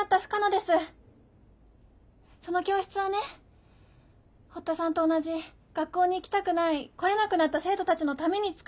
その教室はね堀田さんと同じ学校に行きたくない来れなくなった生徒たちのために作られたの。